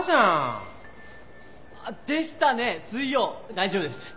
大丈夫です。